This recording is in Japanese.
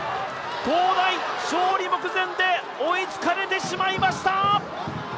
東大勝利目前で追いつかれてしまいました